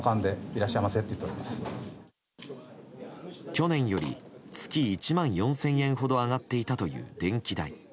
去年より月１万４０００円ほど上がっていたという電気代。